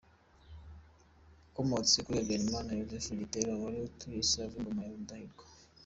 Wakomotse kuri Habyarimana Yozefu Gitera wari utuye i Save ku ngoma ya Rudahigwa.